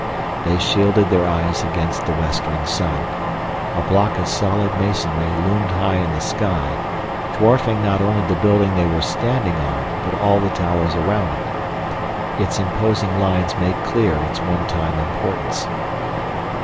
They shielded their eyes against the westering sun. A block of solid masonry loomed high in the sky, dwarfing not only the building they were standing on but all the towers around it. Its imposing lines made clear its one time importance.